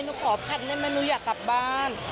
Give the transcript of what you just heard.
หนูขอพันได้ไหมหนูอยากกลับบ้าน